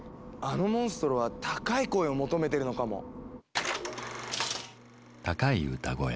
あのモンストロは高い声を求めてるのかも。